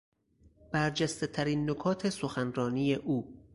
برجستهترین نکات سخنرانی او